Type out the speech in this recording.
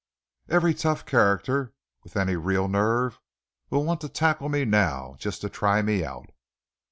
Every tough character with any real nerve will want to tackle me now, just to try me out."